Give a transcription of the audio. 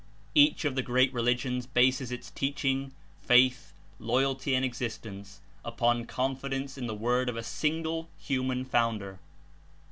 Each of the great religions bases its teaching, faith, loyalty and existence upon confidence in the word of a single human founder.